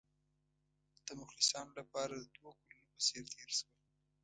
د مخلصانو لپاره د دوو کلونو په څېر تېر شول.